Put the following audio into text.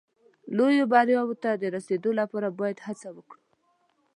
لویو بریاوو ته د رسېدو لپاره باید هڅه وکړو.